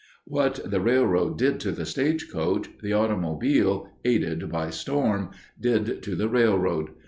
What the railroad did to the stagecoach, the automobile, aided by storm, did to the railroad.